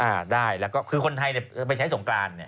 อ่าได้แล้วก็คือคนไทยไปใช้สงกรานเนี่ย